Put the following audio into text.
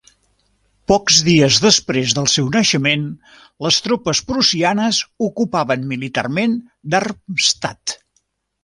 Pocs dies després del seu naixement, les tropes prussianes ocupaven militarment Darmstadt.